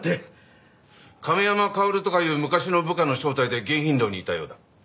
亀山薫とかいう昔の部下の招待で迎賓楼にいたようだ。